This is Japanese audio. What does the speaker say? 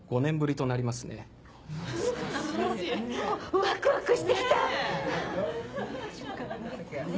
・ワクワクしてきた！ねぇ！